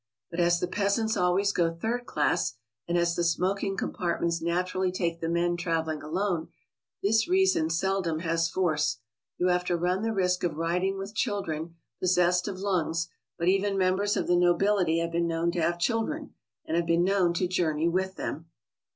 But as the peasants always go third class, and as the smoking compart ments naturally take the men traveling alone, this reason seldom has force. You have to run the risk of riding with children possessed of lungs, but even members of the nobility have been known to have children, and have been known to journey with them.